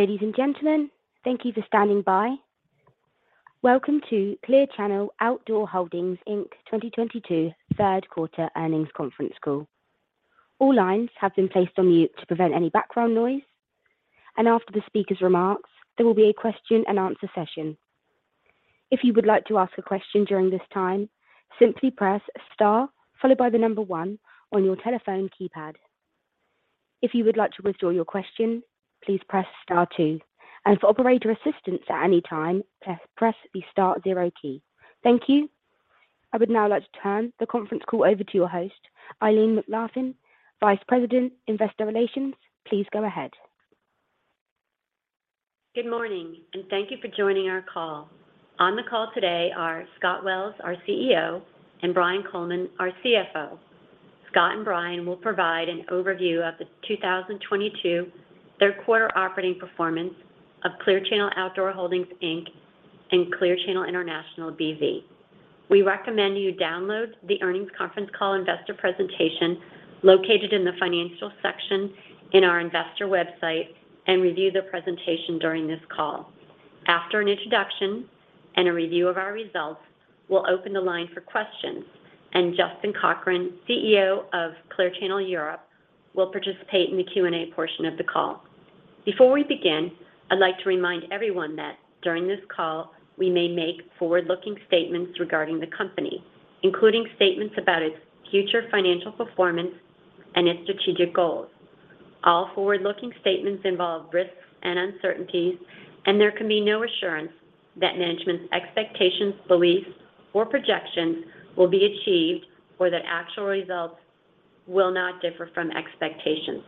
Ladies and gentlemen, thank you for standing by. Welcome to Clear Channel Outdoor Holdings, Inc. 2022 third quarter earnings conference call. All lines have been placed on mute to prevent any background noise, and after the speaker's remarks, there will be a question-and-answer session. If you would like to ask a question during this time, simply press star followed by the number 1 on your telephone keypad. If you would like to withdraw your question, please press star 2. For operator assistance at any time, press the star 0 key. Thank you. I would now like to turn the conference call over to your host, Eileen McLaughlin, Vice President, Investor Relations. Please go ahead. Good morning, and thank you for joining our call. On the call today are Scott Wells, our CEO, and Brian Coleman, our CFO. Scott and Brian will provide an overview of the 2022 third quarter operating performance of Clear Channel Outdoor Holdings, Inc. and Clear Channel International CCIBV. We recommend you download the earnings conference call investor presentation located in the financial section in our investor website and review the presentation during this call. After an introduction and a review of our results, we'll open the line for questions and Justin Cochrane, CEO of Clear Channel Europe, will participate in the Q&A portion of the call. Before we begin, I'd like to remind everyone that during this call we may make forward-looking statements regarding the company, including statements about its future financial performance and its strategic goals. All forward-looking statements involve risks and uncertainties, and there can be no assurance that management's expectations, beliefs, or projections will be achieved or that actual results will not differ from expectations.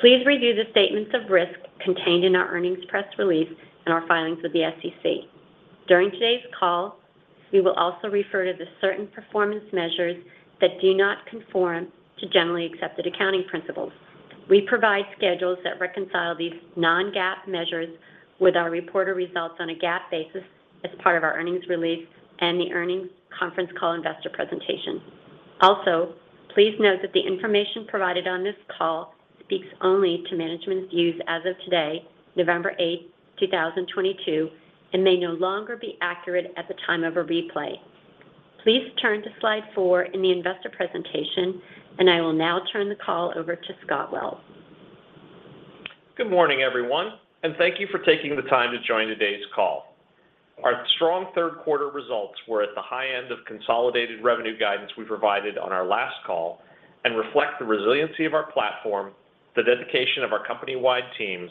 Please review the statements of risk contained in our earnings press release and our filings with the SEC. During today's call, we will also refer to certain performance measures that do not conform to generally accepted accounting principles. We provide schedules that reconcile these non-GAAP measures with our reported results on a GAAP basis as part of our earnings release and the earnings conference call investor presentation. Also, please note that the information provided on this call speaks only to management's views as of today, November eighth, two thousand twenty-two, and may no longer be accurate at the time of a replay. Please turn to slide 4 in the investor presentation, and I will now turn the call over to Scott Wells. Good morning, everyone, and thank you for taking the time to join today's call. Our strong third quarter results were at the high end of consolidated revenue guidance we provided on our last call and reflect the resiliency of our platform, the dedication of our company-wide teams,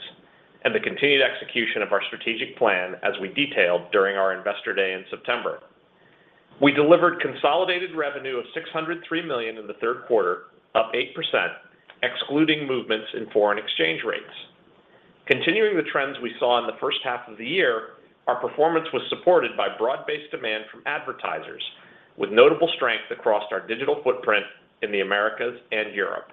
and the continued execution of our strategic plan as we detailed during our Investor Day in September. We delivered consolidated revenue of $603 million in the third quarter, up 8%, excluding movements in foreign exchange rates. Continuing the trends we saw in the first half of the year, our performance was supported by broad-based demand from advertisers with notable strength across our digital footprint in the Americas and Europe.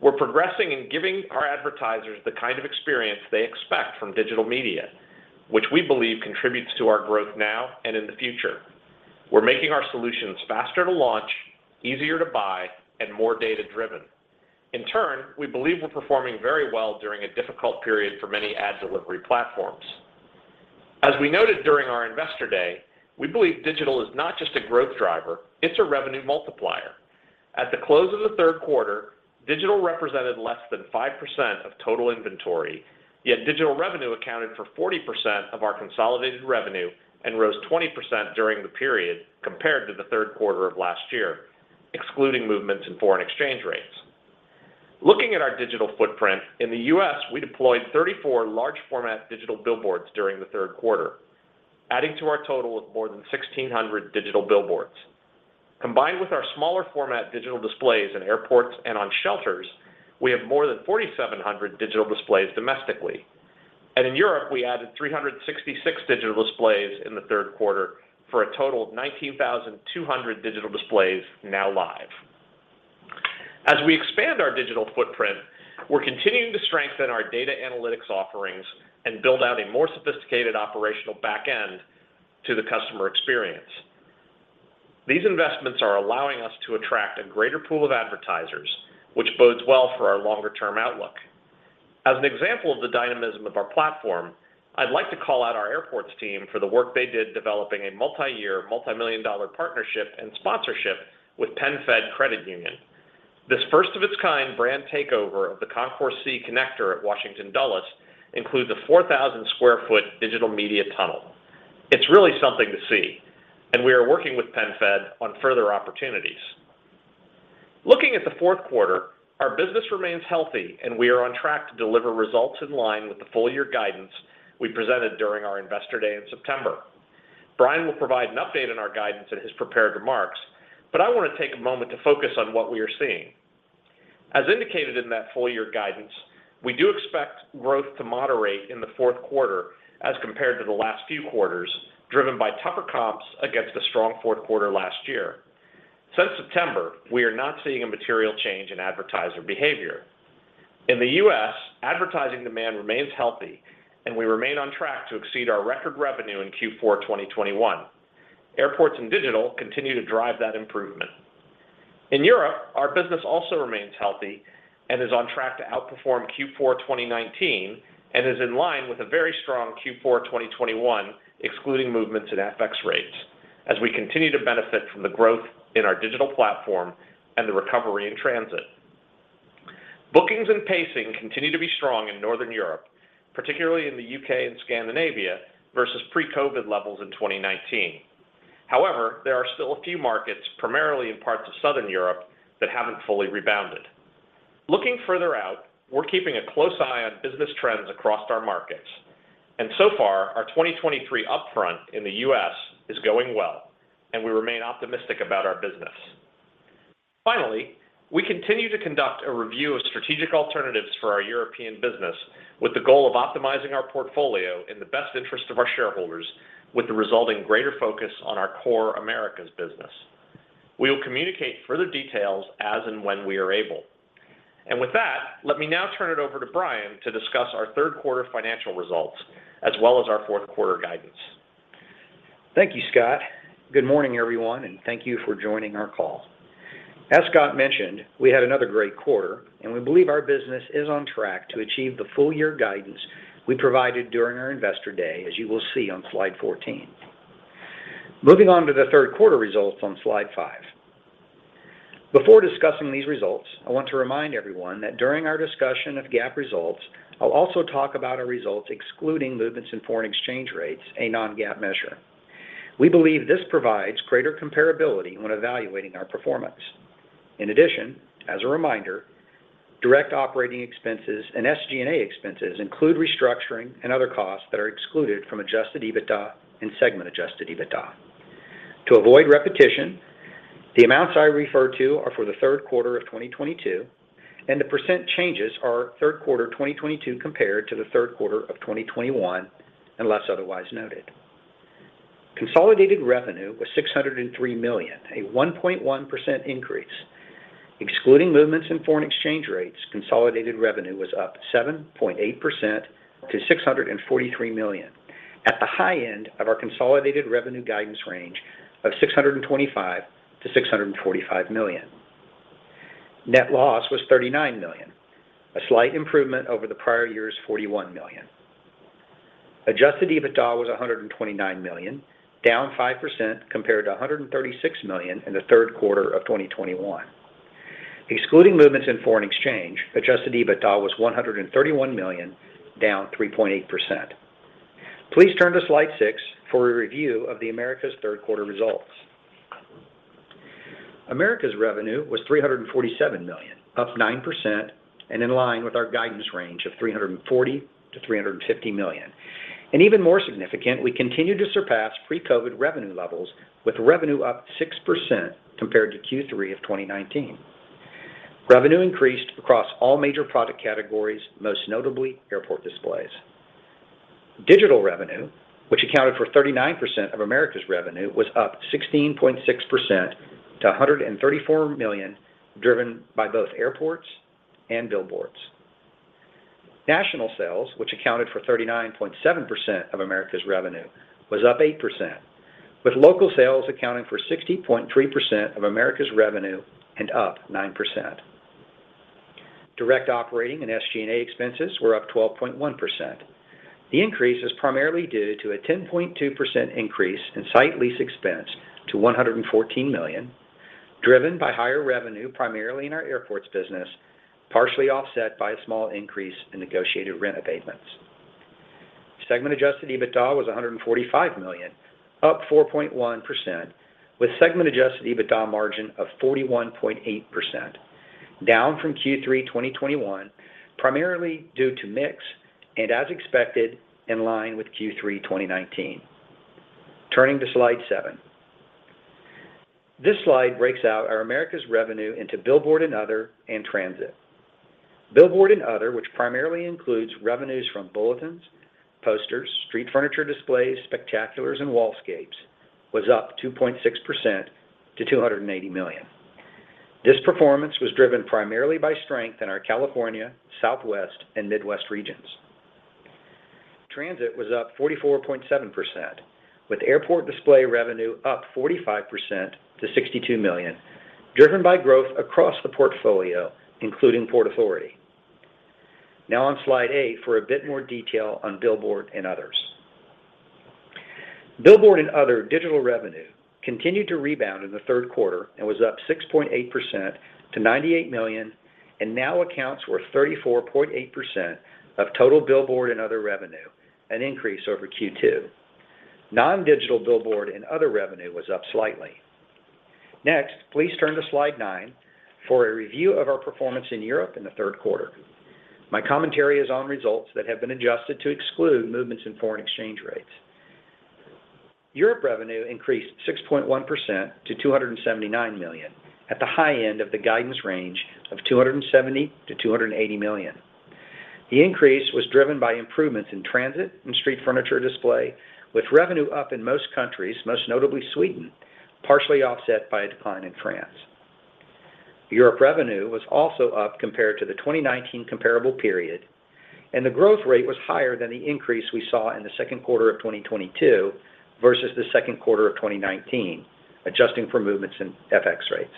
We're progressing in giving our advertisers the kind of experience they expect from digital media, which we believe contributes to our growth now and in the future. We're making our solutions faster to launch, easier to buy, and more data-driven. In turn, we believe we're performing very well during a difficult period for many ad delivery platforms. As we noted during our Investor Day, we believe digital is not just a growth driver, it's a revenue multiplier. At the close of the third quarter, digital represented less than 5% of total inventory, yet digital revenue accounted for 40% of our consolidated revenue and rose 20% during the period compared to the third quarter of last year, excluding movements in foreign exchange rates. Looking at our digital footprint, in the U.S. we deployed 34 large format digital billboards during the third quarter, adding to our total of more than 1,600 digital billboards. Combined with our smaller format digital displays in airports and on shelters, we have more than 4,700 digital displays domestically. In Europe, we added 366 digital displays in the third quarter for a total of 19,200 digital displays now live. As we expand our digital footprint, we're continuing to strengthen our data analytics offerings and build out a more sophisticated operational back end to the customer experience. These investments are allowing us to attract a greater pool of advertisers, which bodes well for our longer-term outlook. As an example of the dynamism of our platform, I'd like to call out our airports team for the work they did developing a multi-year, multi-million dollar partnership and sponsorship with PenFed Credit Union. This first of its kind brand takeover of the Concourse C connector at Washington Dulles includes a 4,000 sq ft digital media tunnel. It's really something to see, and we are working with PenFed on further opportunities. Looking at the fourth quarter, our business remains healthy, and we are on track to deliver results in line with the full year guidance we presented during our Investor Day in September. Brian will provide an update on our guidance in his prepared remarks, but I want to take a moment to focus on what we are seeing. As indicated in that full year guidance, we do expect growth to moderate in the fourth quarter as compared to the last few quarters, driven by tougher comps against the strong fourth quarter last year. Since September, we are not seeing a material change in advertiser behavior. In the U.S., advertising demand remains healthy, and we remain on track to exceed our record revenue in Q4 2021. Airports and digital continue to drive that improvement. In Europe, our business also remains healthy and is on track to outperform Q4 2019, and is in line with a very strong Q4 2021, excluding movements in FX rates, as we continue to benefit from the growth in our digital platform and the recovery in transit. Bookings and pacing continue to be strong in Northern Europe, particularly in the U.K. and Scandinavia versus pre-COVID levels in 2019. However, there are still a few markets, primarily in parts of Southern Europe, that haven't fully rebounded. Looking further out, we're keeping a close eye on business trends across our markets, and so far, our 2023 upfront in the U.S. is going well, and we remain optimistic about our business. Finally, we continue to conduct a review of strategic alternatives for our European business with the goal of optimizing our portfolio in the best interest of our shareholders with the resulting greater focus on our core Americas business. We will communicate further details as and when we are able. With that, let me now turn it over to Brian to discuss our third quarter financial results as well as our fourth quarter guidance. Thank you, Scott. Good morning, everyone, and thank you for joining our call. As Scott mentioned, we had another great quarter, and we believe our business is on track to achieve the full year guidance we provided during our Investor Day, as you will see on slide 14. Moving on to the third quarter results on slide 5. Before discussing these results, I want to remind everyone that during our discussion of GAAP results, I'll also talk about our results excluding movements in foreign exchange rates, a non-GAAP measure. We believe this provides greater comparability when evaluating our performance. In addition, as a reminder, direct operating expenses and SG&A expenses include restructuring and other costs that are excluded from Adjusted EBITDA and Segment Adjusted EBITDA. To avoid repetition, the amounts I refer to are for the third quarter of 2022, and the percent changes are third quarter 2022 compared to the third quarter of 2021, unless otherwise noted. Consolidated revenue was $603 million, a 1.1% increase. Excluding movements in foreign exchange rates, consolidated revenue was up 7.8% to $643 million at the high end of our consolidated revenue guidance range of $625 million-$645 million. Net loss was $39 million, a slight improvement over the prior year's $41 million. Adjusted EBITDA was $129 million, down 5% compared to $136 million in the third quarter of 2021. Excluding movements in foreign exchange, Adjusted EBITDA was $131 million, down 3.8%. Please turn to slide 6 for a review of the Americas' third quarter results. Americas revenue was $347 million, up 9% and in line with our guidance range of $340 million-$350 million. Even more significant, we continue to surpass pre-COVID revenue levels with revenue up 6% compared to Q3 of 2019. Revenue increased across all major product categories, most notably airport displays. Digital revenue, which accounted for 39% of Americas revenue, was up 16.6% to $134 million, driven by both airports and billboards. National sales, which accounted for 39.7% of Americas revenue, was up 8%, with local sales accounting for 60.3% of Americas revenue and up 9%. Direct operating and SG&A expenses were up 12.1%. The increase is primarily due to a 10.2% increase in site lease expense to $114 million, driven by higher revenue primarily in our airports business, partially offset by a small increase in negotiated rent abatements. Segment Adjusted EBITDA was $145 million, up 4.1%, with Segment Adjusted EBITDA margin of 41.8%, down from Q3 2021, primarily due to mix and as expected in line with Q3 2019. Turning to slide 7. This slide breaks out our Americas revenue into billboard and other and transit. Billboard and other, which primarily includes revenues from bulletins, posters, street furniture displays, spectaculars, and wallscapes, was up 2.6% to $280 million. This performance was driven primarily by strength in our California, Southwest, and Midwest regions. Transit was up 44.7%, with airport display revenue up 45% to $62 million, driven by growth across the portfolio, including Port Authority. Now on slide 8 for a bit more detail on billboard and others. Billboard and other digital revenue continued to rebound in the third quarter and was up 6.8% to $98 million, and now accounts for 34.8% of total billboard and other revenue, an increase over Q2. Non-digital billboard and other revenue was up slightly. Next, please turn to slide 9 for a review of our performance in Europe in the third quarter. My commentary is on results that have been adjusted to exclude movements in foreign exchange rates. Europe revenue increased 6.1% to $279 million at the high end of the guidance range of $270-$280 million. The increase was driven by improvements in transit and street furniture display, with revenue up in most countries, most notably Sweden, partially offset by a decline in France. Europe revenue was also up compared to the 2019 comparable period. The growth rate was higher than the increase we saw in the second quarter of 2022 versus the second quarter of 2019, adjusting for movements in FX rates.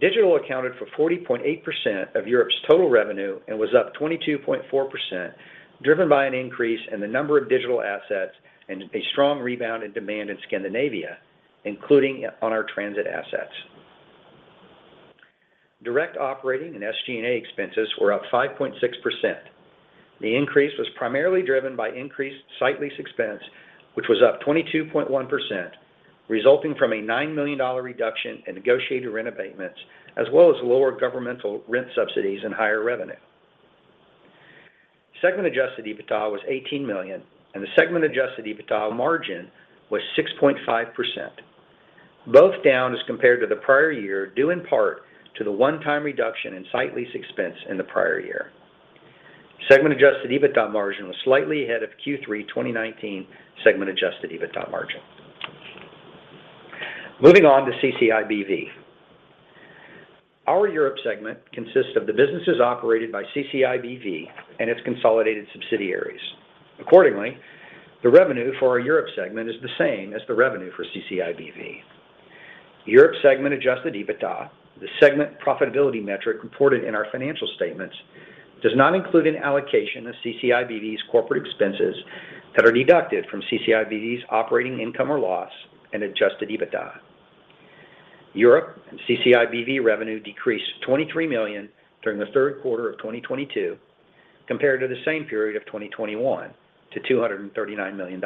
Digital accounted for 40.8% of Europe's total revenue and was up 22.4%, driven by an increase in the number of digital assets and a strong rebound in demand in Scandinavia, including on our transit assets. Direct operating and SG&A expenses were up 5.6%. The increase was primarily driven by increased site lease expense, which was up 22.1%, resulting from a $9 million reduction in negotiated rent abatements, as well as lower governmental rent subsidies and higher revenue. Segment Adjusted EBITDA was $18 million, and the Segment Adjusted EBITDA margin was 6.5%, both down as compared to the prior year, due in part to the one-time reduction in site lease expense in the prior year. Segment Adjusted EBITDA margin was slightly ahead of Q3 2019 Segment Adjusted EBITDA margin. Moving on to CCIBV. Our Europe segment consists of the businesses operated by CCIBV and its consolidated subsidiaries. Accordingly, the revenue for our Europe segment is the same as the revenue for CCIBV. Europe segment Adjusted EBITDA, the segment profitability metric reported in our financial statements, does not include an allocation of CCIBV's corporate expenses that are deducted from CCIBV's operating income or loss and Adjusted EBITDA. Europe and CCIBV revenue decreased $23 million during the third quarter of 2022 compared to the same period of 2021 to $239 million.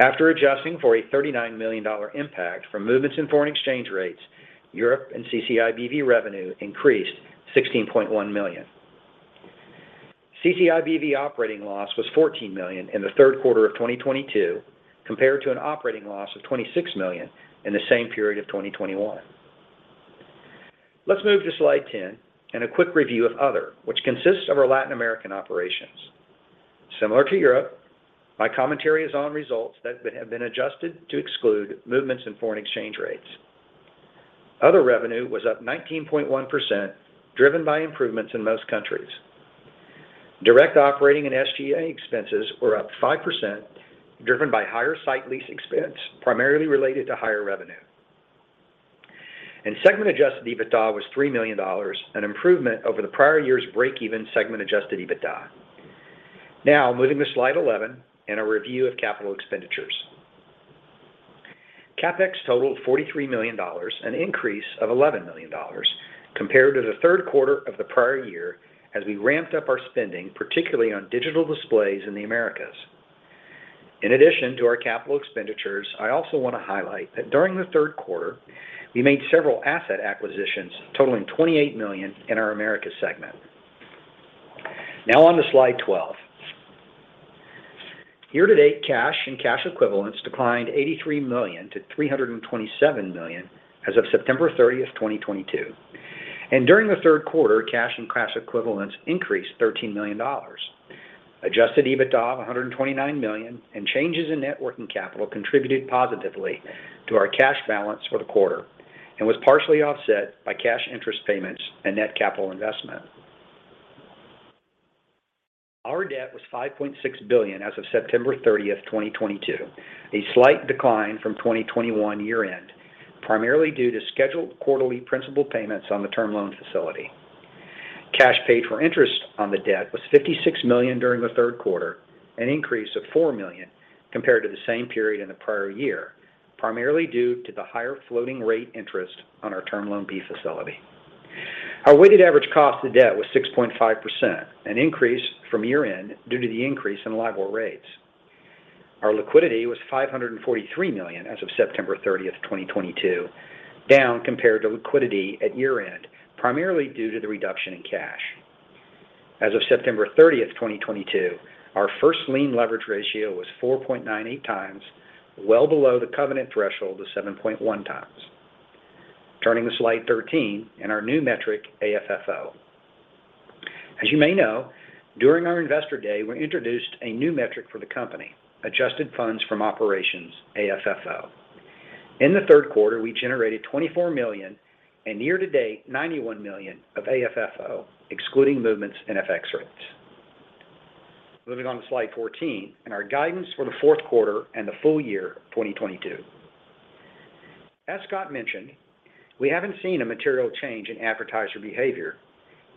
After adjusting for a $39 million impact from movements in foreign exchange rates, Europe and CCIBV revenue increased $16.1 million. CCIBV operating loss was $14 million in the third quarter of 2022 compared to an operating loss of $26 million in the same period of 2021. Let's move to slide 10 and a quick review of other, which consists of our Latin American operations. Similar to Europe, my commentary is on results that have been adjusted to exclude movements in foreign exchange rates. Other revenue was up 19.1%, driven by improvements in most countries. Direct operating and SG&A expenses were up 5%, driven by higher site lease expense, primarily related to higher revenue. Segment Adjusted EBITDA was $3 million, an improvement over the prior year's break-even Segment Adjusted EBITDA. Now, moving to slide 11 and a review of capital expenditures. CapEx totaled $43 million, an increase of $11 million compared to the third quarter of the prior year as we ramped up our spending, particularly on digital displays in the Americas. In addition to our capital expenditures, I also wanna highlight that during the third quarter, we made several asset acquisitions totaling $28 million in our Americas segment. Now on to slide 12. Year-to-date, cash and cash equivalents declined $83 million to $327 million as of September 30, 2022. During the third quarter, cash and cash equivalents increased $13 million. Adjusted EBITDA of $129 million and changes in net working capital contributed positively to our cash balance for the quarter and was partially offset by cash interest payments and net capital investment. Our debt was $5.6 billion as of September 30, 2022, a slight decline from 2021 year-end, primarily due to scheduled quarterly principal payments on the term loan facility. Cash paid for interest on the debt was $56 million during the third quarter, an increase of $4 million compared to the same period in the prior year, primarily due to the higher floating rate interest on our Term Loan B facility. Our weighted average cost of debt was 6.5%, an increase from year-end due to the increase in LIBOR rates. Our liquidity was $543 million as of September 30, 2022, down compared to liquidity at year-end, primarily due to the reduction in cash. As of September 30, 2022, our First Lien Leverage Ratio was 4.98x, well below the covenant threshold of 7.1x. Turning to slide 13 and our new metric, AFFO. As you may know, during our Investor Day, we introduced a new metric for the company, adjusted funds from operations, AFFO. In the third quarter, we generated $24 million and year-to-date $91 million of AFFO, excluding movements in FX rates. Moving on to slide 14 and our guidance for the fourth quarter and the full year of 2022. As Scott mentioned, we haven't seen a material change in advertiser behavior,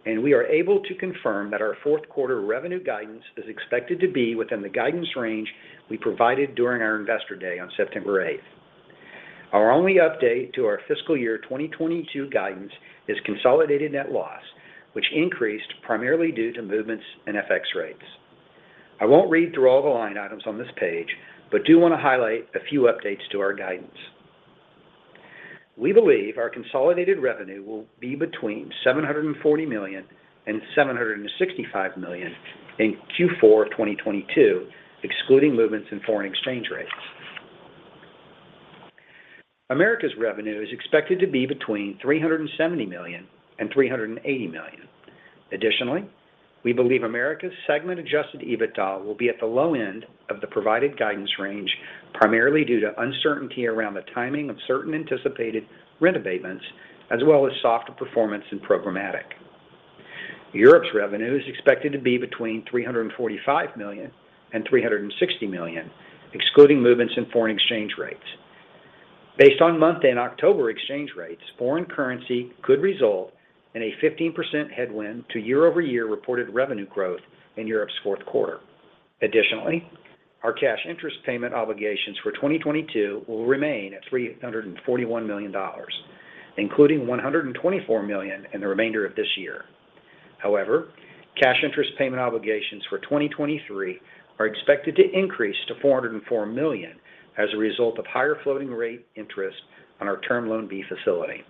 and we are able to confirm that our fourth quarter revenue guidance is expected to be within the guidance range we provided during our Investor Day on September eighth. Our only update to our fiscal year 2022 guidance is consolidated net loss, which increased primarily due to movements in FX rates. I won't read through all the line items on this page, but do wanna highlight a few updates to our guidance. We believe our consolidated revenue will be between $740 million and $765 million in Q4 of 2022, excluding movements in foreign exchange rates. America's revenue is expected to be between $370 million and $380 million. Additionally, we believe Americas Segment Adjusted EBITDA will be at the low end of the provided guidance range, primarily due to uncertainty around the timing of certain anticipated rent abatements, as well as softer performance in programmatic. Europe's revenue is expected to be between $345 million and $360 million, excluding movements in foreign exchange rates. Based on month-end October exchange rates, foreign currency could result in a 15% headwind to year-over-year reported revenue growth in Europe's fourth quarter. Additionally, our cash interest payment obligations for 2022 will remain at $341 million, including $124 million in the remainder of this year. However, cash interest payment obligations for 2023 are expected to increase to $404 million as a result of higher floating rate interest on our Term Loan B facility.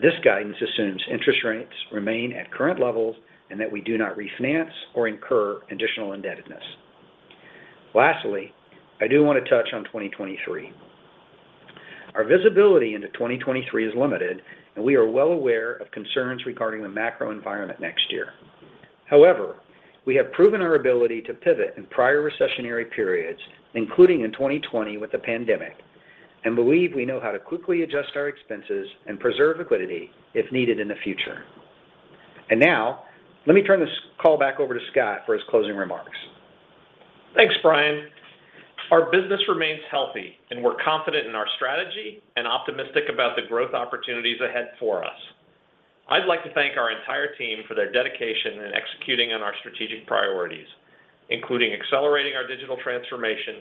This guidance assumes interest rates remain at current levels and that we do not refinance or incur additional indebtedness. Lastly, I do want to touch on 2023. Our visibility into 2023 is limited, and we are well aware of concerns regarding the macro environment next year. However, we have proven our ability to pivot in prior recessionary periods, including in 2020 with the pandemic, and believe we know how to quickly adjust our expenses and preserve liquidity if needed in the future. Now, let me turn this call back over to Scott for his closing remarks. Thanks, Brian. Our business remains healthy, and we're confident in our strategy and optimistic about the growth opportunities ahead for us. I'd like to thank our entire team for their dedication in executing on our strategic priorities, including accelerating our digital transformation,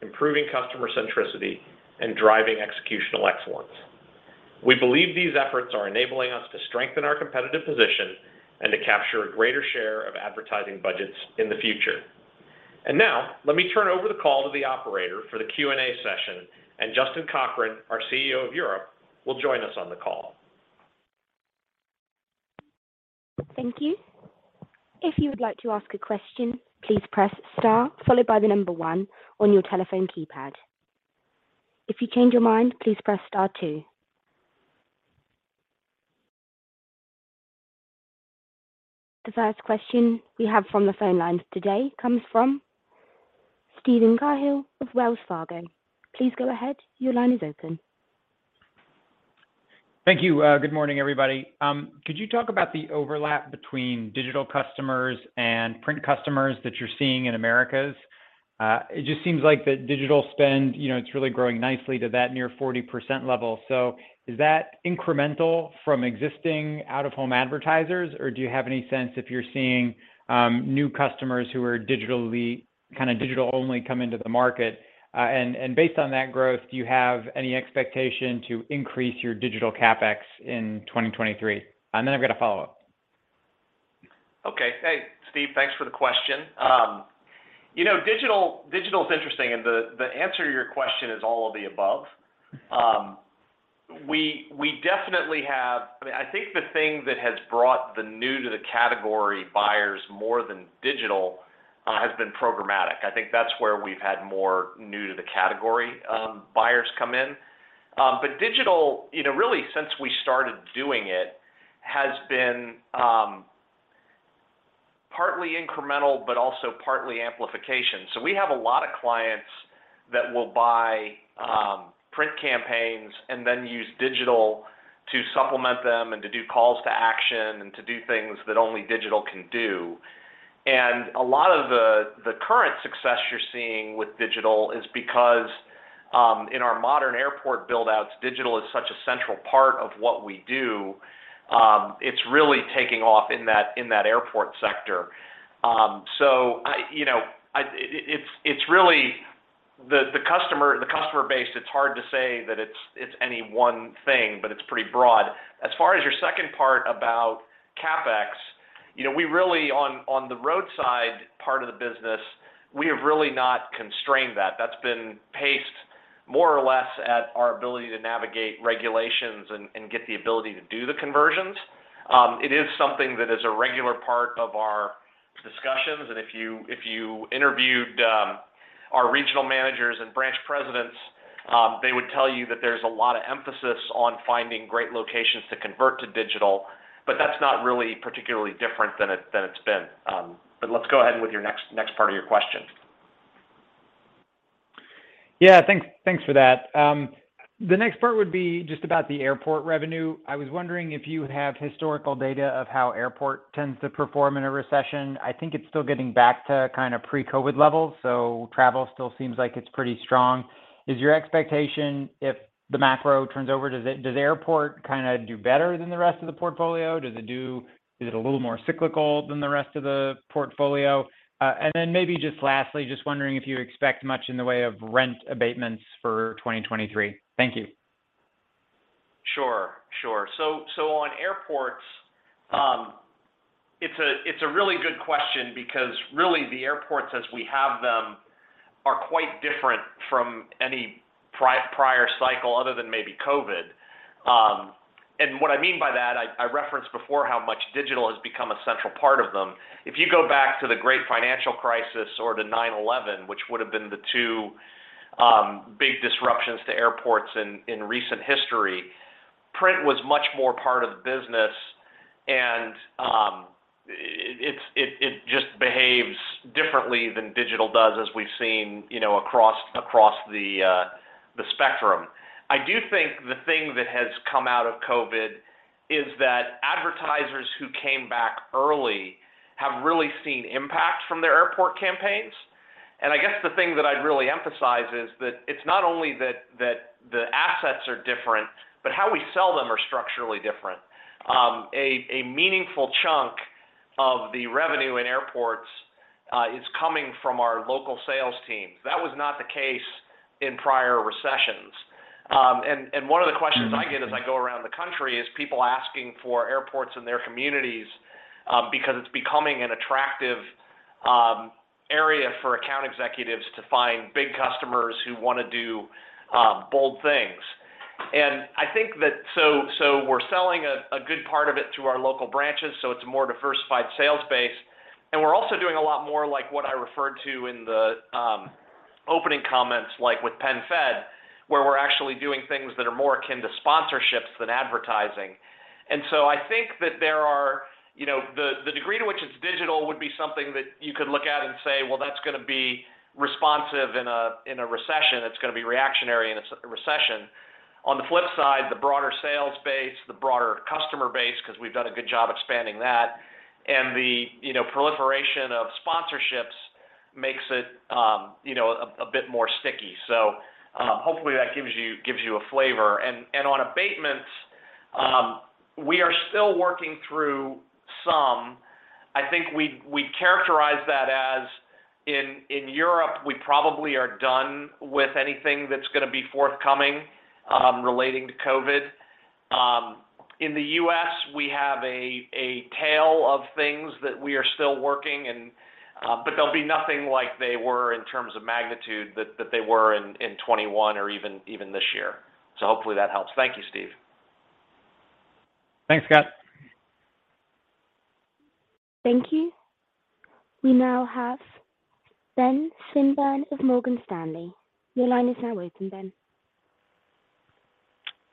improving customer centricity, and driving executional excellence. We believe these efforts are enabling us to strengthen our competitive position and to capture a greater share of advertising budgets in the future. Now, let me turn over the call to the operator for the Q&A session, and Justin Cochrane, our CEO of Europe, will join us on the call. Thank you. If you would like to ask a question, please press star followed by the number 1 on your telephone keypad. If you change your mind, please press star 2. The first question we have from the phone lines today comes from Steven Cahall of Wells Fargo. Please go ahead. Your line is open. Thank you. Good morning, everybody. Could you talk about the overlap between digital customers and print customers that you're seeing in Americas? It just seems like the digital spend, you know, it's really growing nicely to that near 40% level. Is that incremental from existing out-of-home advertisers, or do you have any sense if you're seeing new customers who are digital-only come into the market? Based on that growth, do you have any expectation to increase your digital CapEx in 2023? I've got a follow-up. Okay. Hey, Steve, thanks for the question. You know, digital is interesting, and the answer to your question is all of the above. I mean, I think the thing that has brought the new to the category buyers more than digital has been programmatic. I think that's where we've had more new to the category buyers come in. But digital, you know, really since we started doing it has been partly incremental, but also partly amplification. We have a lot of clients that will buy print campaigns and then use digital to supplement them and to do calls to action and to do things that only digital can do. A lot of the current success you're seeing with digital is because in our modern airport build-outs, digital is such a central part of what we do. It's really taking off in that airport sector. You know, it's really the customer base. It's hard to say that it's any one thing, but it's pretty broad. As far as your second part about CapEx, you know, we really on the roadside part of the business have really not constrained that. That's been paced more or less at our ability to navigate regulations and get the ability to do the conversions. It is something that is a regular part of our discussions, and if you interviewed our regional managers and branch presidents, they would tell you that there's a lot of emphasis on finding great locations to convert to digital, but that's not really particularly different than it's been. Let's go ahead with your next part of your question. Yeah. Thanks, thanks for that. The next part would be just about the airport revenue. I was wondering if you have historical data of how airport tends to perform in a recession. I think it's still getting back to kind of pre-COVID levels, so travel still seems like it's pretty strong. Is your expectation if the macro turns over, does airport kind of do better than the rest of the portfolio? Is it a little more cyclical than the rest of the portfolio? Maybe just lastly, just wondering if you expect much in the way of rent abatements for 2023. Thank you. Sure. On airports, it's a really good question because really the airports as we have them are quite different from any prior cycle other than maybe COVID. What I mean by that, I referenced before how much digital has become a central part of them. If you go back to the great financial crisis or to 9/11, which would have been the two big disruptions to airports in recent history. Print was much more part of the business and it just behaves differently than digital does as we've seen, you know, across the spectrum. I do think the thing that has come out of COVID is that advertisers who came back early have really seen impact from their airport campaigns. I guess the thing that I'd really emphasize is that it's not only that the assets are different, but how we sell them are structurally different. A meaningful chunk of the revenue in airports is coming from our local sales teams. That was not the case in prior recessions. One of the questions- Mm-hmm I get as I go around the country is people asking for airports in their communities, because it's becoming an attractive area for account executives to find big customers who wanna do bold things. We're selling a good part of it to our local branches, so it's a more diversified sales base. We're also doing a lot more like what I referred to in the opening comments, like with PenFed, where we're actually doing things that are more akin to sponsorships than advertising. I think that there are, you know, the degree to which it's digital would be something that you could look at and say, "Well, that's gonna be responsive in a recession. It's gonna be reactionary in a recession." On the flip side, the broader sales base, the broader customer base, 'cause we've done a good job expanding that, and the you know, proliferation of sponsorships makes it you know, a bit more sticky. Hopefully that gives you a flavor. On abatements, we are still working through some. I think we characterize that as in Europe, we probably are done with anything that's gonna be forthcoming relating to COVID. In the US, we have a tail of things that we are still working, but they'll be nothing like they were in terms of magnitude that they were in 2021 or even this year. Hopefully that helps. Thank you, Steve. Thanks, Scott. Thank you. We now have Ben Swinburne of Morgan Stanley. Your line is now open, Ben.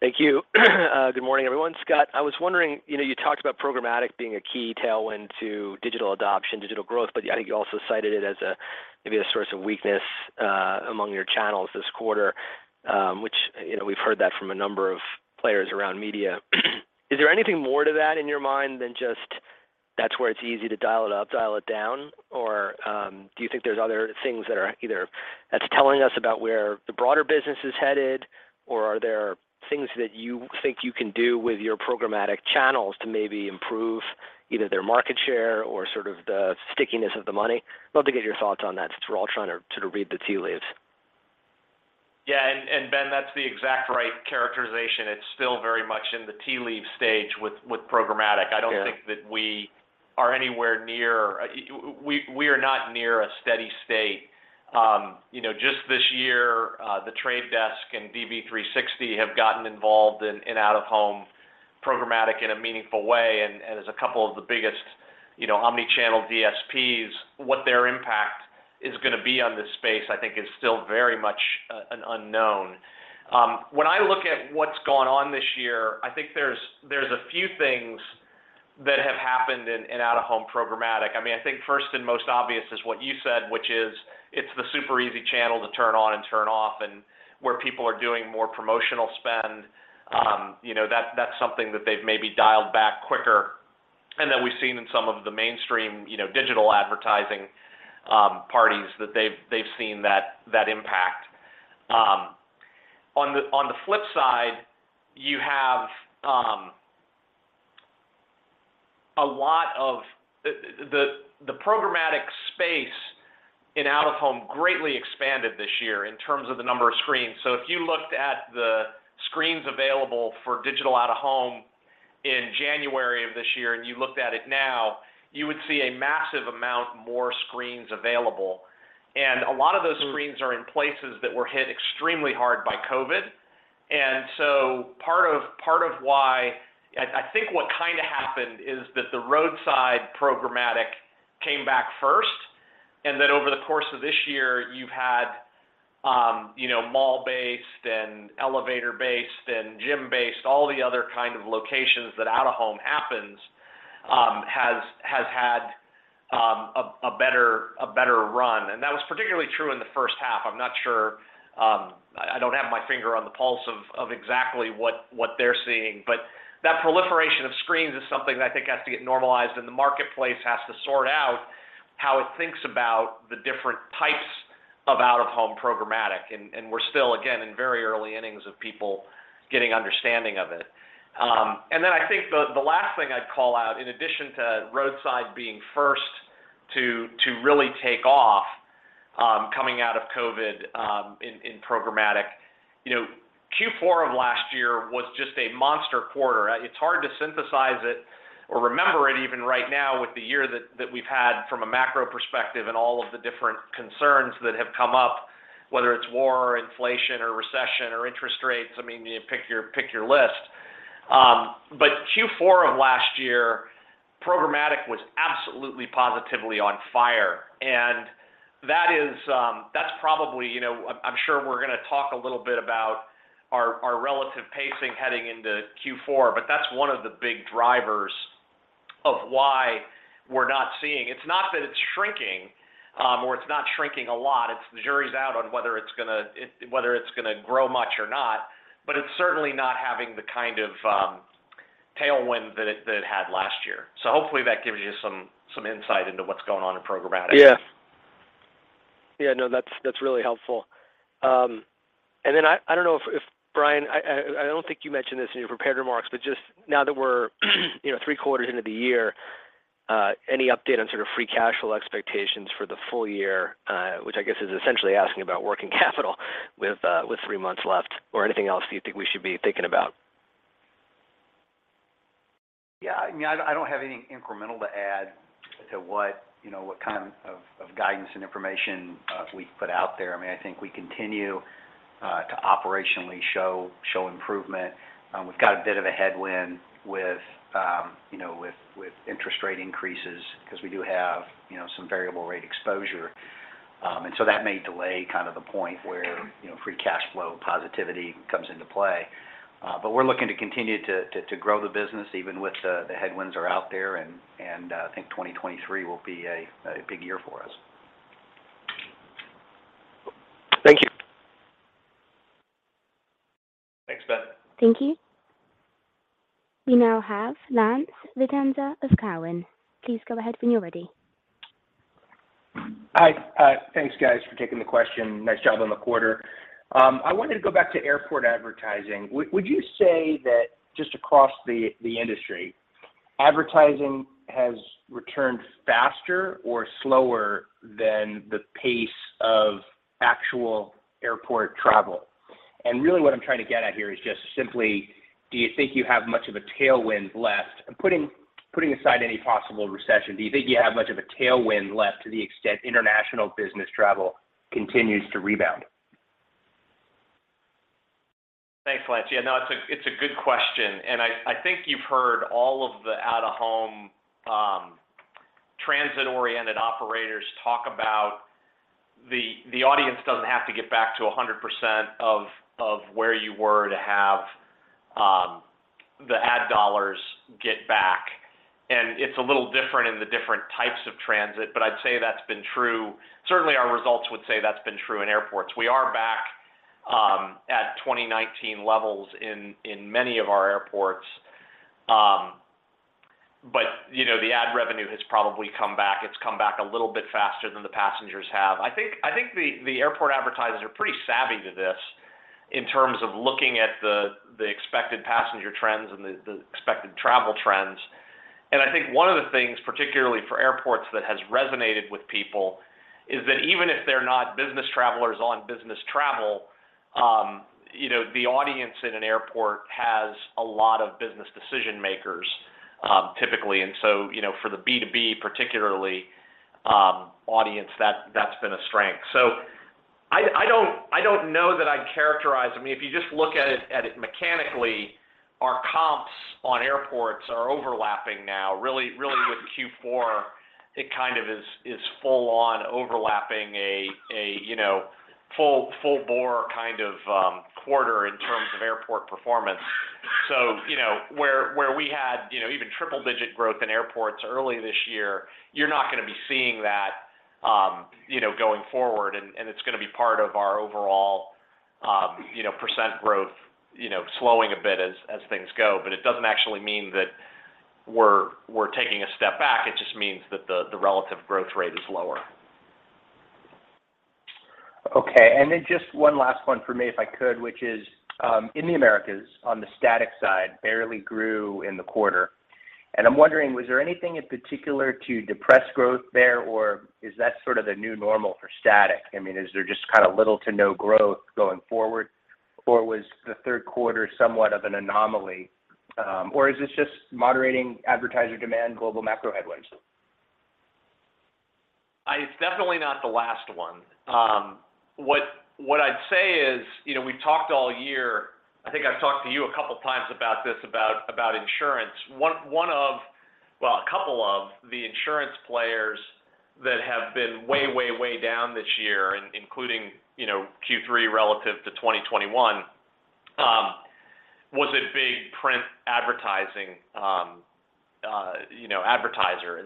Thank you. Good morning, everyone. Scott, I was wondering, you know, you talked about programmatic being a key tailwind to digital adoption, digital growth, but I think you also cited it as a, maybe a source of weakness, among your channels this quarter, which, you know, we've heard that from a number of players around media. Is there anything more to that in your mind than just that's where it's easy to dial it up, dial it down? Or, do you think there's other things that are either that's telling us about where the broader business is headed, or are there things that you think you can do with your programmatic channels to maybe improve either their market share or sort of the stickiness of the money? Love to get your thoughts on that since we're all trying to read the tea leaves. Yeah. Ben, that's the exact right characterization. It's still very much in the tea leaf stage with programmatic. Fair. I don't think that we are anywhere near a steady state. You know, just this year, The Trade Desk and DV360 have gotten involved in out-of-home programmatic in a meaningful way. As a couple of the biggest, you know, omni-channel DSPs, what their impact is gonna be on this space, I think is still very much an unknown. When I look at what's gone on this year, I think there's a few things that have happened in out-of-home programmatic. I mean, I think first and most obvious is what you said, which is it's the super easy channel to turn on and turn off and where people are doing more promotional spend. You know, that's something that they've maybe dialed back quicker. That we've seen in some of the mainstream, you know, digital advertising, parties that they've seen that impact. On the flip side, you have the programmatic space in out-of-home greatly expanded this year in terms of the number of screens. If you looked at the screens available for digital out-of-home in January of this year and you looked at it now, you would see a massive amount more screens available. A lot of those screens Mm-hmm are in places that were hit extremely hard by COVID. Part of why I think what kinda happened is that the roadside programmatic came back first, and then over the course of this year, you've had you know, mall-based and elevator-based and gym-based, all the other kind of locations that out-of-home happens has had a better run. That was particularly true in the first half. I'm not sure. I don't have my finger on the pulse of exactly what they're seeing. That proliferation of screens is something that I think has to get normalized, and the marketplace has to sort out how it thinks about the different types of out-of-home programmatic. We're still, again, in very early innings of people getting understanding of it. I think the last thing I'd call out, in addition to roadside being first to really take off, coming out of COVID, in programmatic. You know, Q4 of last year was just a monster quarter. It's hard to synthesize it or remember it even right now with the year that we've had from a macro perspective and all of the different concerns that have come up, whether it's war or inflation or recession or interest rates. I mean, you pick your list. Q4 of last year, programmatic was absolutely positively on fire. That is, that's probably, you know, I'm sure we're gonna talk a little bit about our relative pacing heading into Q4, but that's one of the big drivers of why we're not seeing. It's not that it's shrinking, or it's not shrinking a lot. It's the jury's out on whether it's gonna grow much or not, but it's certainly not having the kind of tailwind that it had last year. Hopefully, that gives you some insight into what's going on in programmatic. Yeah. Yeah, no, that's really helpful. And then I don't know if Brian I don't think you mentioned this in your prepared remarks, but just now that we're you know three quarters into the year any update on sort of free cash flow expectations for the full year? Which I guess is essentially asking about working capital with three months left or anything else you think we should be thinking about. Yeah. I mean, I don't have any incremental to add to what you know what kind of guidance and information we put out there. I mean, I think we continue to operationally show improvement. We've got a bit of a headwind with you know with interest rate increases because we do have you know some variable rate exposure. So that may delay kind of the point where you know free cash flow positivity comes into play. We're looking to continue to grow the business even with the headwinds out there and I think 2023 will be a big year for us. Thank you. Thanks, Ben. Thank you. We now have Lance Vitanza of Cowen. Please go ahead when you're ready. Hi. Thanks guys for taking the question. Nice job on the quarter. I wanted to go back to airport advertising. Would you say that just across the industry, advertising has returned faster or slower than the pace of actual airport travel? Really what I'm trying to get at here is just simply, do you think you have much of a tailwind left? I'm putting aside any possible recession. Do you think you have much of a tailwind left to the extent international business travel continues to rebound? Thanks, Lance. Yeah. No, it's a good question, and I think you've heard all of the out-of-home, transit-oriented operators talk about the audience doesn't have to get back to 100% of where you were to have the ad dollars get back. It's a little different in the different types of transit, but I'd say that's been true. Certainly, our results would say that's been true in airports. We are back at 2019 levels in many of our airports. You know, the ad revenue has probably come back. It's come back a little bit faster than the passengers have. I think the airport advertisers are pretty savvy to this in terms of looking at the expected passenger trends and the expected travel trends. I think one of the things, particularly for airports that has resonated with people is that even if they're not business travelers on business travel, you know, the audience in an airport has a lot of business decision-makers, typically. So, you know, for the B2B particularly, audience, that's been a strength. I don't know that I'd characterize them. I mean, if you just look at it mechanically, our comps on airports are overlapping now. Really with Q4, it kind of is full on overlapping a full bore kind of quarter in terms of airport performance. So, you know, where we had, you know, even triple-digit growth in airports early this year, you're not gonna be seeing that, you know, going forward. It's gonna be part of our overall, you know, percent growth, you know, slowing a bit as things go. It doesn't actually mean that we're taking a step back. It just means that the relative growth rate is lower. Okay. Then just one last one for me, if I could, which is, in the Americas on the static side, barely grew in the quarter. I'm wondering, was there anything in particular that depressed growth there, or is that sort of the new normal for static? I mean, is there just kind of little to no growth going forward, or was the third quarter somewhat of an anomaly, or is this just moderating advertiser demand global macro headwinds? It's definitely not the last one. What I'd say is, you know, we talked all year. I think I've talked to you a couple of times about this, about insurance. Well, a couple of the insurance players that have been way down this year including, you know, Q3 relative to 2021, was a big print advertising, you know, advertiser.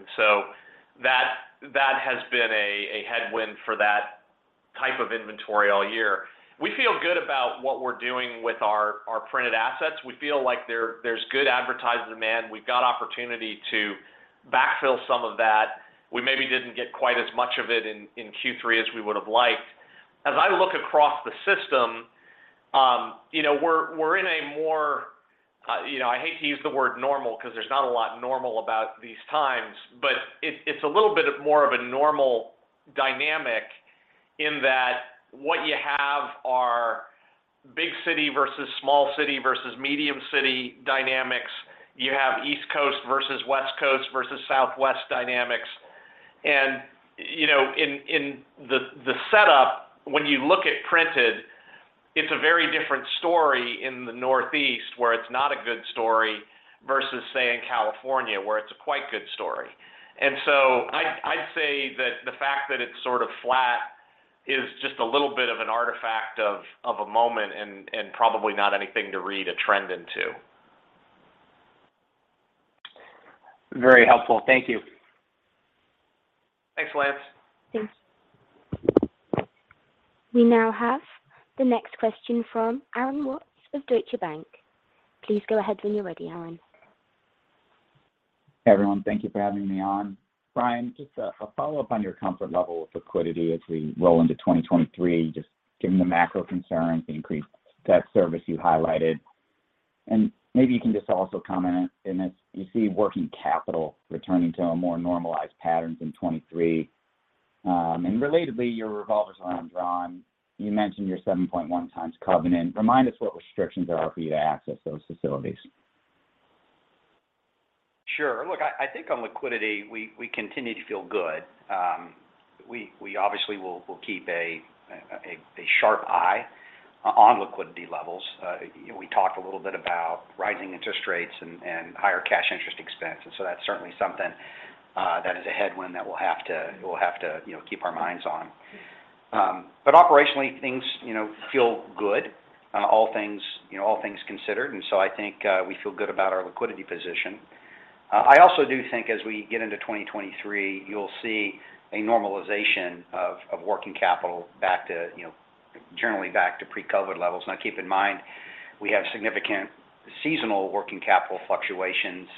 That has been a headwind for that type of inventory all year. We feel good about what we're doing with our printed assets. We feel like there's good advertiser demand. We've got opportunity to backfill some of that. We maybe didn't get quite as much of it in Q3 as we would have liked. As I look across the system, you know, we're in a more, you know, I hate to use the word normal 'cause there's not a lot normal about these times, but it's a little bit more of a normal dynamic in that what you have are big city versus small city versus medium city dynamics. You have East Coast versus West Coast versus Southwest dynamics. You know, in the setup, when you look at it. It's a very different story in the Northeast where it's not a good story versus say in California, where it's a quite good story. I'd say that the fact that it's sort of flat is just a little bit of an artifact of a moment and probably not anything to read a trend into. Very helpful. Thank you. Thanks, Lance. Thanks. We now have the next question from Aaron Watts of Deutsche Bank. Please go ahead when you're ready, Aaron. Everyone, thank you for having me on. Brian, just a follow-up on your comfort level with liquidity as we roll into 2023, just given the macro concerns, increased debt service you highlighted. Maybe you can just also comment on this, if you see working capital returning to a more normalized pattern in 2023. Relatedly, your revolver's line drawn, you mentioned your 7.1 times covenant. Remind us what restrictions there are for you to access those facilities. Sure. Look, I think on liquidity, we continue to feel good. We obviously will keep a sharp eye on liquidity levels. You know, we talked a little bit about rising interest rates and higher cash interest expense, and so that's certainly something that is a headwind that we'll have to keep our minds on. Operationally, things feel good on all things, all things considered, and so I think we feel good about our liquidity position. I also do think as we get into 2023, you'll see a normalization of working capital back to generally back to pre-COVID levels. Now keep in mind, we have significant seasonal working capital fluctuations,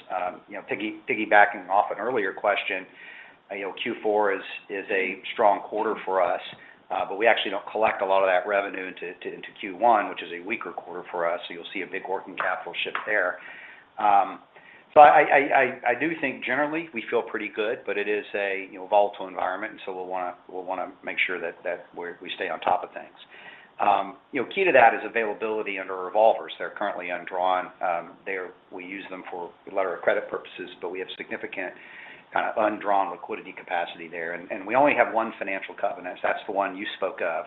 you know, piggybacking off an earlier question. You know, Q4 is a strong quarter for us, but we actually don't collect a lot of that revenue into Q1, which is a weaker quarter for us. You'll see a big working capital shift there. I do think generally we feel pretty good, but it is a volatile environment, and we'll wanna make sure that we stay on top of things. You know, key to that is availability under revolvers. They're currently undrawn. We use them for letter of credit purposes, but we have significant kind of undrawn liquidity capacity there. We only have one financial covenant. That's the one you spoke of.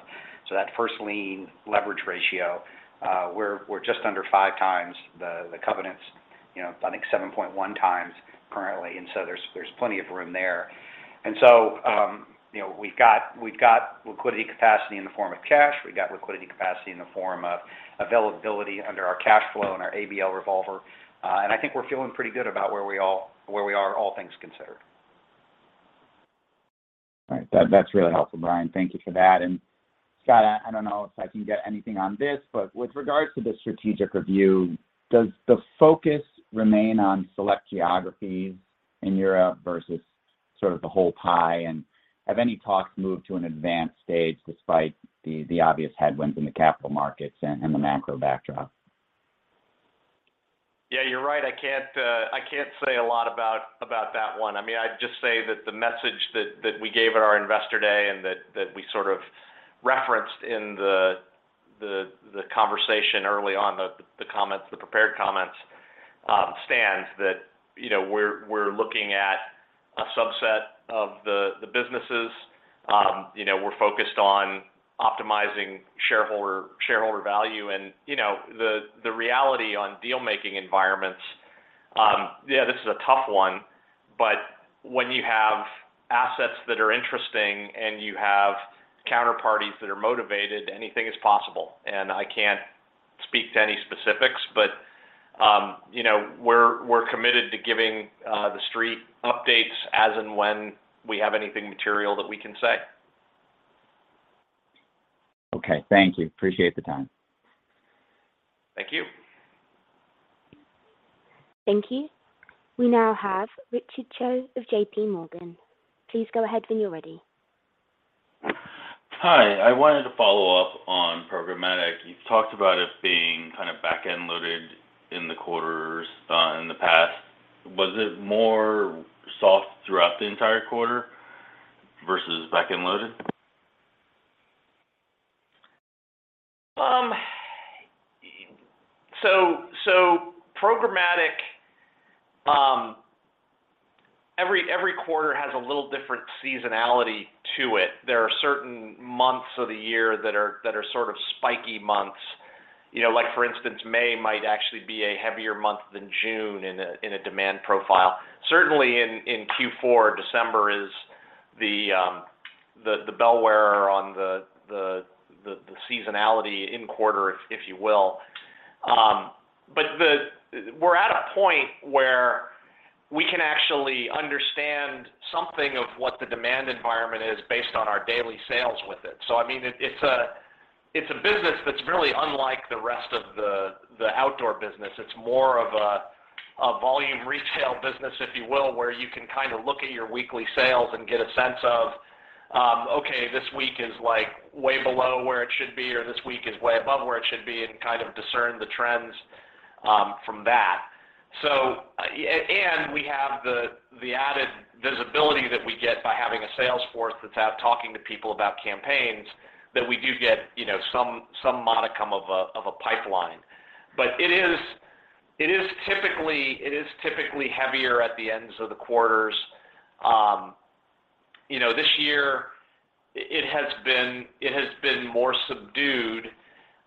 That First Lien Leverage Ratio, we're just under 5x the covenants, you know, I think 7.1x currently. There's plenty of room there. You know, we've got liquidity capacity in the form of cash. We got liquidity capacity in the form of availability under our cash flow and our ABL revolver. I think we're feeling pretty good about where we are, all things considered. All right. That's really helpful, Brian. Thank you for that. Scott, I don't know if I can get anything on this, but with regards to the strategic review, does the focus remain on select geographies in Europe versus sort of the whole pie? Have any talks moved to an advanced stage despite the obvious headwinds in the capital markets and the macro backdrop? Yeah, you're right. I can't say a lot about that one. I mean, I'd just say that the message that we gave at our Investor Day and that we sort of referenced in the conversation early on, the comments, the prepared comments, stands that, you know, we're looking at a subset of the businesses. You know, we're focused on optimizing shareholder value and, you know, the reality on deal-making environments, yeah, this is a tough one. When you have assets that are interesting and you have counterparties that are motivated, anything is possible. I can't speak to any specifics, but, you know, we're committed to giving the street updates as and when we have anything material that we can say. Okay. Thank you. Appreciate the time. Thank you. Thank you. We now have Richard Choe of J.P. Morgan. Please go ahead when you're ready. Hi. I wanted to follow up on programmatic. You've talked about it being kind of back-end loaded in the quarters, in the past. Was it more soft throughout the entire quarter versus back-end loaded? Programmatic, every quarter has a little different seasonality to it. There are certain months of the year that are sort of spiky months. You know, like for instance, May might actually be a heavier month than June in a demand profile. Certainly in Q4, December is the bellwether on the seasonality in quarter, if you will. We're at a point where we can actually understand something of what the demand environment is based on our daily sales with it. I mean, it's a business that's really unlike the rest of the outdoor business. It's more of a volume retail business, if you will, where you can kind of look at your weekly sales and get a sense of, okay, this week is like way below where it should be, or this week is way above where it should be and kind of discern the trends from that. We have the added visibility that we get by having a sales force that's out talking to people about campaigns that we do get, you know, some modicum of a pipeline. It is typically heavier at the ends of the quarters. This year it has been more subdued,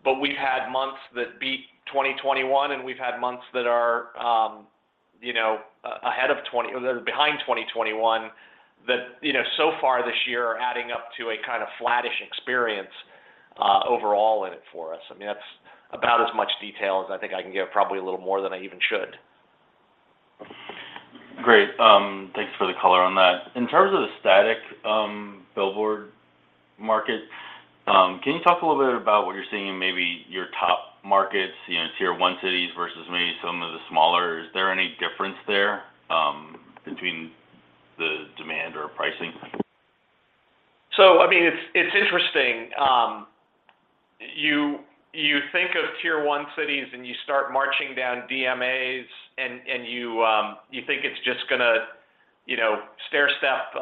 but we've had months that beat 2021, and we've had months that are behind 2021 that so far this year are adding up to a kind of flattish experience, overall in it for us. I mean, that's about as much detail as I think I can give, probably a little more than I even should. Great. Thanks for the color on that. In terms of the static billboard market, can you talk a little bit about what you're seeing in maybe your top markets, you know, tier one cities versus maybe some of the smaller? Is there any difference there, between the demand or pricing? I mean, it's interesting. You think of tier one cities, and you start marching down DMAs, and you think it's just gonna, you know, stair step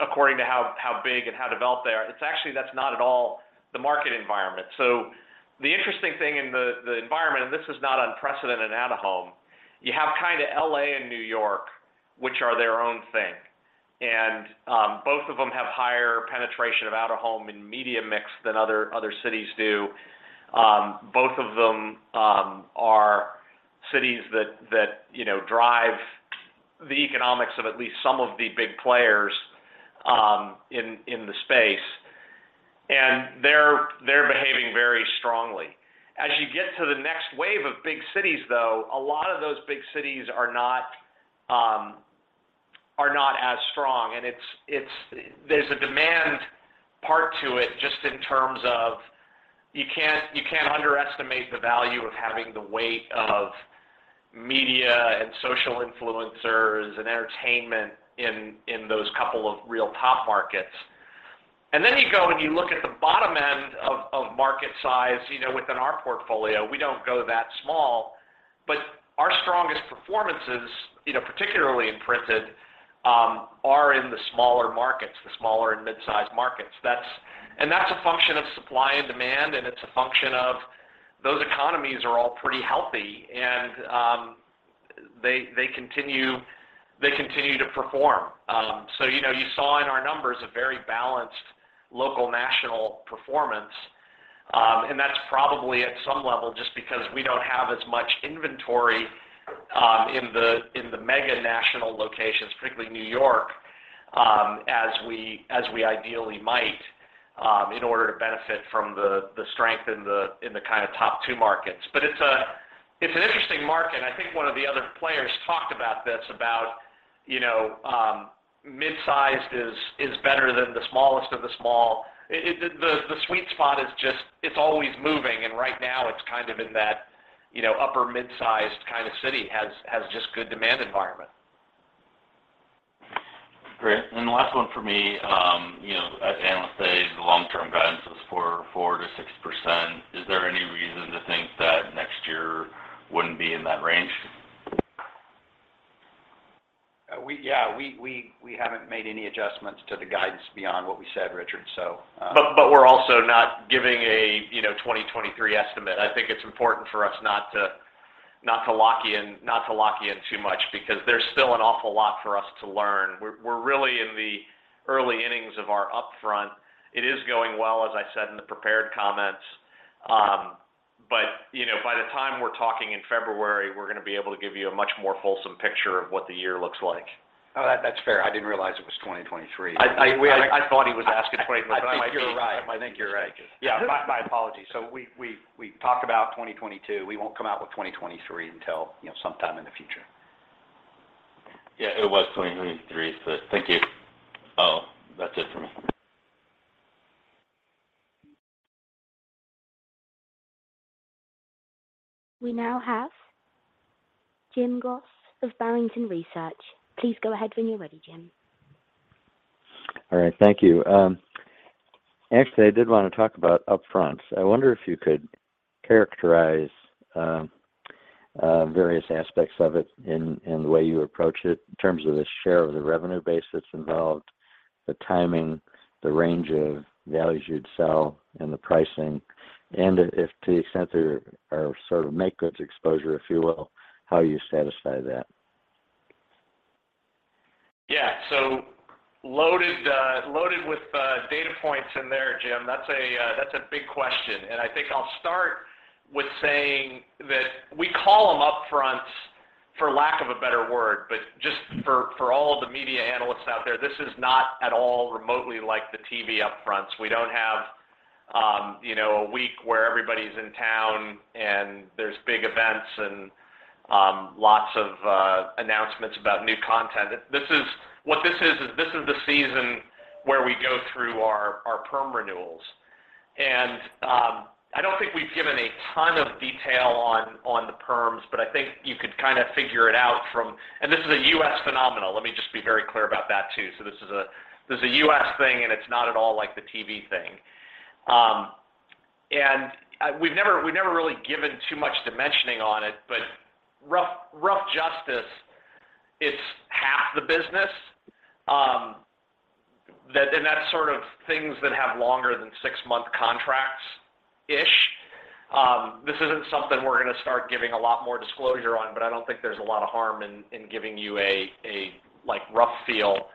according to how big and how developed they are. It's actually, that's not at all the market environment. The interesting thing in the environment, and this is not unprecedented at out-of-home, you have kinda L.A. and New York, which are their own thing. Both of them have higher penetration of out-of-home in media mix than other cities do. Both of them are cities that you know drive the economics of at least some of the big players in the space. They're behaving very strongly. As you get to the next wave of big cities, though, a lot of those big cities are not as strong. There's a demand part to it, just in terms of you can't underestimate the value of having the weight of media and social influencers and entertainment in those couple of real top markets. You go and you look at the bottom end of market size, you know, within our portfolio, we don't go that small, but our strongest performances, you know, particularly in printed, are in the smaller and mid-sized markets. That's a function of supply and demand, and it's a function of those economies are all pretty healthy, and they continue to perform. You know, you saw in our numbers a very balanced local national performance, and that's probably at some level just because we don't have as much inventory in the mega-national locations, particularly New York, as we ideally might in order to benefit from the strength in the kind of top two markets. It's an interesting market, and I think one of the other players talked about this, about you know, mid-sized is better than the smallest of the small. The sweet spot. It's always moving, and right now it's kind of in that you know, upper mid-sized kind of city has just good demand environment. Great. Last one for me. You know, at Analyst Day, the long-term guidance was for 4%-6%. Is there any reason to think that next year wouldn't be in that range? Yeah. We haven't made any adjustments to the guidance beyond what we said, Richard. We're also not giving a you know 2023 estimate. I think it's important for us not to lock in too much because there's still an awful lot for us to learn. We're really in the early innings of our upfront. It is going well, as I said in the prepared comments. You know, by the time we're talking in February, we're gonna be able to give you a much more whole picture of what the year looks like. No, that's fair. I didn't realize it was 2023. I, we, I- I thought he was asking 20. I think you're right. Yeah. My apologies. We talked about 2022. We won't come out with 2023 until, you know, sometime in the future. Yeah. It was 2023, but thank you. Oh, that's it for me. We now have Jim Goss of Barrington Research. Please go ahead when you're ready, Jim. All right. Thank you. Actually, I did wanna talk about upfront. I wonder if you could characterize various aspects of it in the way you approach it in terms of the share of the revenue base that's involved, the timing, the range of values you'd sell, and the pricing, and if to the extent there are sort of make goods exposure, if you will, how you satisfy that. Yeah. Loaded with data points in there, Jim. That's a big question. I think I'll start with saying that we call them upfronts, for lack of a better word, but just for all the media analysts out there, this is not at all remotely like the TV upfronts. We don't have you know, a week where everybody's in town and there's big events and lots of announcements about new content. This is the season where we go through our perm renewals. I don't think we've given a ton of detail on the perms, but I think you could kinda figure it out from. This is a U.S. phenomenon. Let me just be very clear about that too. This is a U.S. thing, and it's not at all like the TV thing. We've never really given too much dimensioning on it, but rough justice, it's half the business, that. That's sort of things that have longer than six-month contracts-ish. This isn't something we're gonna start giving a lot more disclosure on, but I don't think there's a lot of harm in giving you a like rough feel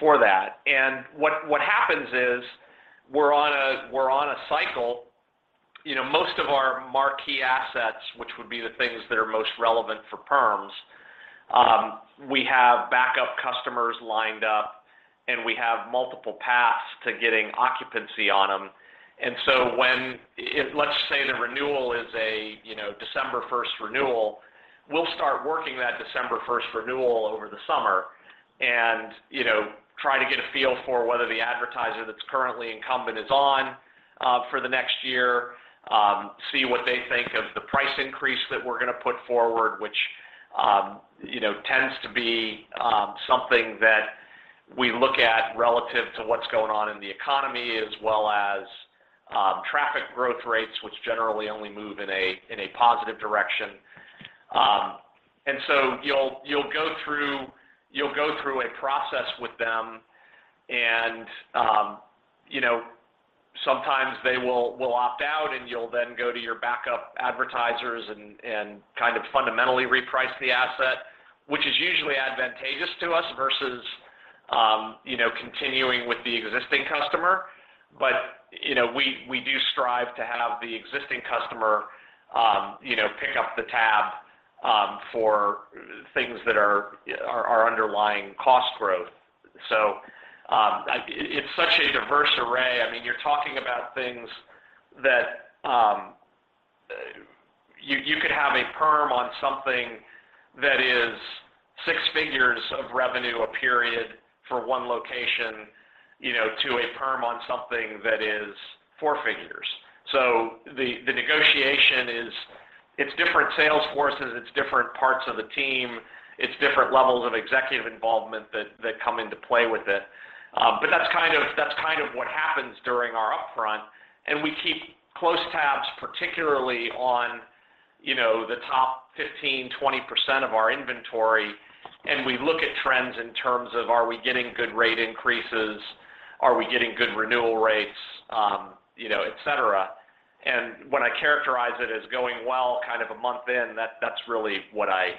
for that. What happens is we're on a cycle. Most of our marquee assets, which would be the things that are most relevant for perms, we have backup customers lined up, and we have multiple paths to getting occupancy on them. let's say the renewal is a, you know, December first renewal, we'll start working that December first renewal over the summer and, you know, try to get a feel for whether the advertiser that's currently incumbent is on for the next year, see what they think of the price increase that we're gonna put forward, which, you know, tends to be, something that we look at relative to what's going on in the economy as well as, traffic growth rates, which generally only move in a positive direction. You'll go through a process with them and, you know, sometimes they will opt out, and you'll then go to your backup advertisers and kind of fundamentally reprice the asset, which is usually advantageous to us versus, you know, continuing with the existing customer. You know, we do strive to have the existing customer, you know, pick up the tab for things that are underlying cost growth. It's such a diverse array. I mean, you're talking about things that you could have a perm on something that is six figures of revenue a period for one location, you know, to a perm on something that is four figures. The negotiation is. It's different sales forces, it's different parts of the team, it's different levels of executive involvement that come into play with it. That's kind of what happens during our upfront. We keep close tabs, particularly on, you know, the top 15, 20% of our inventory, and we look at trends in terms of are we getting good rate increases, are we getting good renewal rates, you know, et cetera. When I characterize it as going well kind of a month in, that's really what I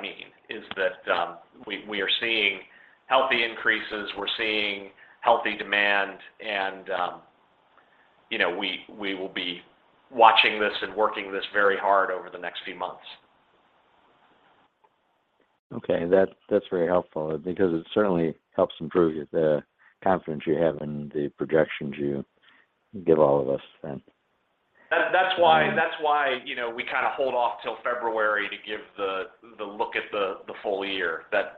mean, is that we are seeing healthy increases, we're seeing healthy demand and, you know, we will be watching this and working this very hard over the next few months. Okay. That's very helpful because it certainly helps improve the confidence you have in the projections you give all of us then. That's why, you know, we kind of hold off till February to give the look at the full year. That's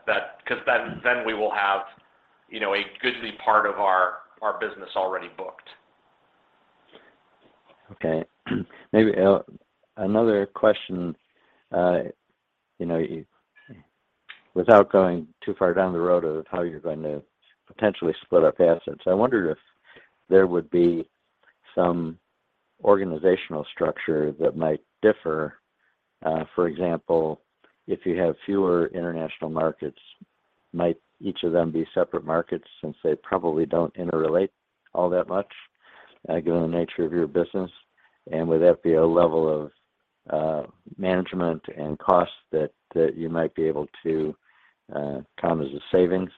'cause then we will have, you know, a goodly part of our business already booked. Okay. Maybe another question, you know, without going too far down the road of how you're going to potentially split up assets, I wondered if there would be some organizational structure that might differ. For example, if you have fewer international markets, might each of them be separate markets since they probably don't interrelate all that much, given the nature of your business? And would that be a level of management and cost that you might be able to count as a savings?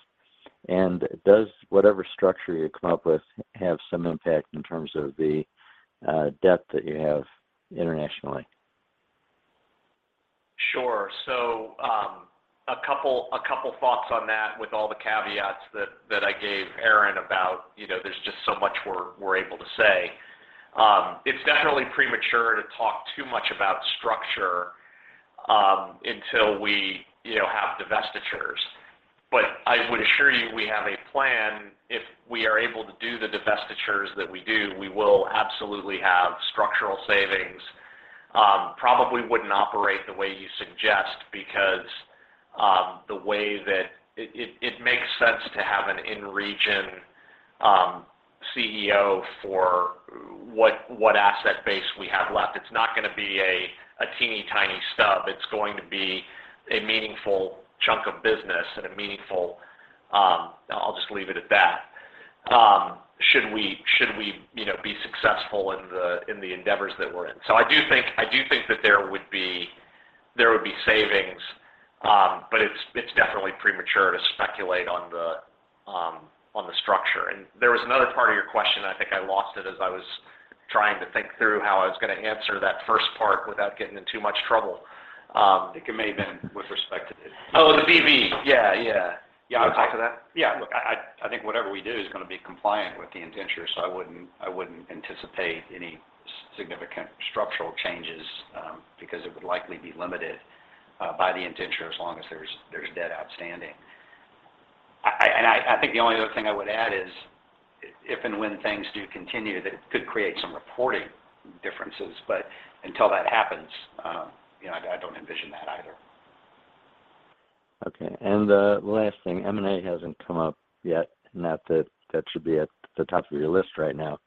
And does whatever structure you come up with have some impact in terms of the debt that you have internationally? Sure. A couple thoughts on that with all the caveats that I gave Aaron about, you know, there's just so much we're able to say. It's definitely premature to talk too much about structure until we, you know, have divestitures. I would assure you we have a plan. If we are able to do the divestitures that we do, we will absolutely have structural savings. Probably wouldn't operate the way you suggest because it makes sense to have an in-region CEO for what asset base we have left. It's not gonna be a teeny-tiny stub. It's going to be a meaningful chunk of business and a meaningful. I'll just leave it at that, should we, you know, be successful in the endeavors that we're in. I do think that there would be savings, but it's definitely premature to speculate on the structure. There was another part of your question. I think I lost it as I was trying to think through how I was gonna answer that first part without getting in too much trouble. I think it may have been with respect to the- Oh, the CCIBV. Yeah, yeah. You wanna talk to that? Yeah. Look, I think whatever we do is gonna be compliant with the indenture, so I wouldn't anticipate any significant structural changes, because it would likely be limited by the indenture as long as there's debt outstanding. I think the only other thing I would add is if and when things do continue, that could create some reporting differences. Until that happens, you know, I don't envision that either. Okay. Last thing, M&A hasn't come up yet, not that that should be at the top of your list right now,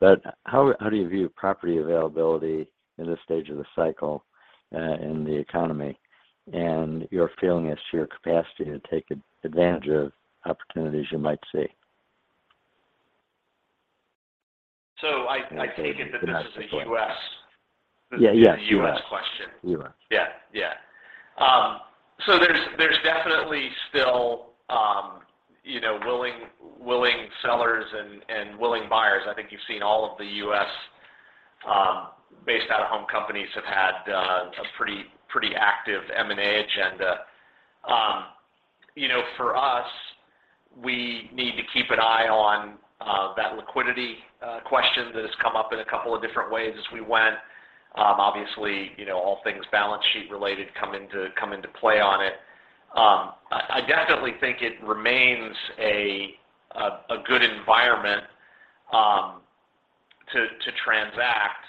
but how do you view property availability in this stage of the cycle, in the economy, and your feeling as to your capacity to take advantage of opportunities you might see? I take it that this is a U.S.- Yeah, yeah, US a U.S. question. US. Yeah. Yeah. So there's definitely still you know willing sellers and willing buyers. I think you've seen all of the U.S.-based out-of-home companies have had a pretty active M&A agenda. You know, for us, we need to keep an eye on that liquidity question that has come up in a couple of different ways as we went. Obviously, you know, all things balance sheet related come into play on it. I definitely think it remains a good environment to transact.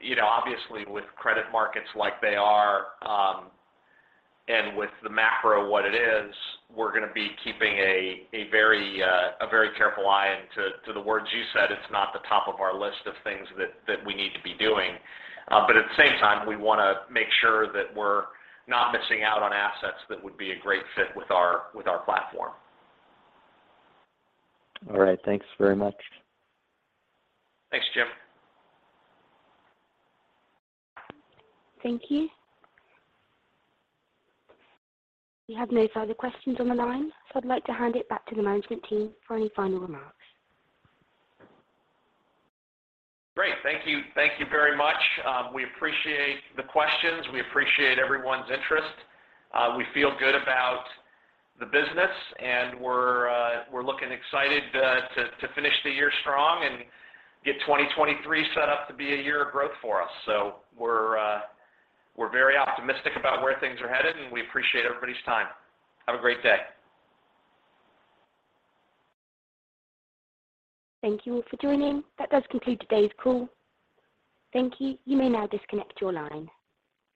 You know, obviously with credit markets like they are, and with the macro what it is, we're gonna be keeping a very careful eye. To the words you said, it's not the top of our list of things that we need to be doing. At the same time, we wanna make sure that we're not missing out on assets that would be a great fit with our platform. All right. Thanks very much. Thanks, Jim. Thank you. We have no further questions on the line, so I'd like to hand it back to the management team for any final remarks. Great. Thank you. Thank you very much. We appreciate the questions. We appreciate everyone's interest. We feel good about the business, and we're looking excited to finish the year strong and get 2023 set up to be a year of growth for us. We're very optimistic about where things are headed, and we appreciate everybody's time. Have a great day. Thank you all for joining. That does conclude today's call. Thank you. You may now disconnect your line.